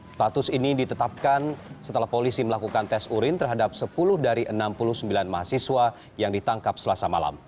status ini ditetapkan setelah polisi melakukan tes urin terhadap sepuluh dari enam puluh sembilan mahasiswa yang ditangkap selasa malam